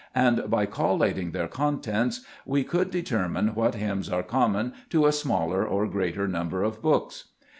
And, by collating their contents, we could determine Cbe :©est Cburcb f)£mns* what hymns are common to a smaller or greater number of books.